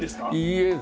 いいえ。